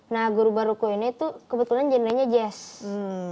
nah guru guru baruku ini tuh kebetulan jendelanya jazz